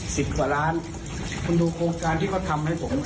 สิบกว่าล้านคุณดูโครงการที่เขาทำให้ผม